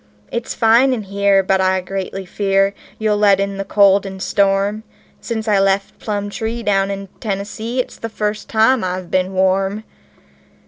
It's fine in here, but I greatly fear you'll let in the cold and storm Since I left Plumtree, down in Tennessee, it's the first time I've been warm."